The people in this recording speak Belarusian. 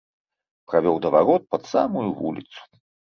Правёў да варот пад самую вуліцу.